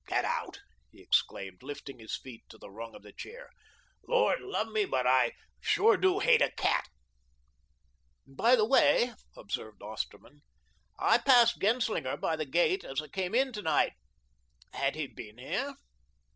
"Get out!" he exclaimed, lifting his feet to the rung of the chair. "Lord love me, but I sure do hate a cat." "By the way," observed Osterman, "I passed Genslinger by the gate as I came in to night. Had he been here?"